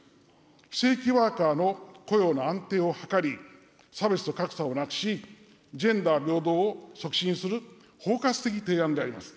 非正規ワーカーの雇用の安定を図り、差別と格差をなくし、ジェンダー平等を促進する包括的提案であります。